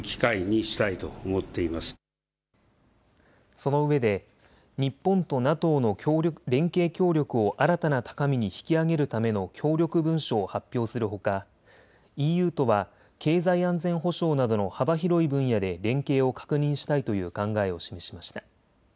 そのうえで日本とＮＡＴＯの連携協力を新たな高みに引き上げるための協力文書を発表するほかＥＵとは経済安全保障などの幅広い分野で連携を確認したいという考えを示しました。